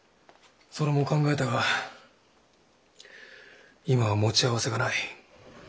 それも考えたが今は持ち合わせがない。